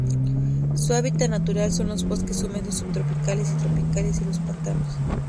Su hábitat natural son los bosques húmedos subtropicales y tropicales, y los pantanos.